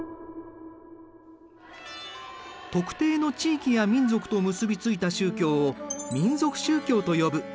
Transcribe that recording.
特定の地域や民族と結び付いた宗教を民族宗教と呼ぶ。